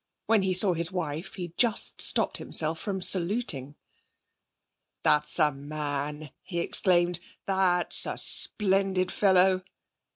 When he saw his wife he just stopped himself from saluting. 'That's a man!' he exclaimed. 'That's a splendid fellow.'